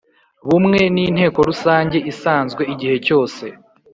Bumwe n inteko rusange isanzwe igihe cyose